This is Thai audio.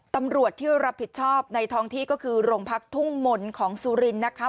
ตำรวจที่รับผิดชอบในท้องที่ก็คือโรงพักทุ่งมนต์ของสุรินทร์นะคะ